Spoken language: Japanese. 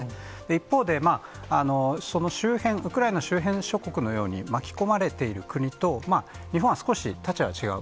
一方で、その周辺国、ウクライナの周辺諸国のように、巻き込まれている国と、日本は少し立場は違う。